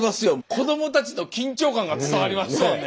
子どもたちの緊張感が伝わりますよね。